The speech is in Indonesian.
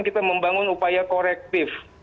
kita membangun upaya korektif